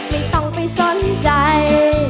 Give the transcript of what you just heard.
ไม่ต้องไปสนใจ